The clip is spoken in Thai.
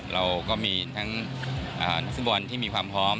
เราก็มีทั้งนักฟุตบอลที่มีความพร้อม